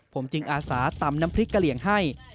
ผมจึงอาสาตำน้ำพริกกะเหลี่ยงให้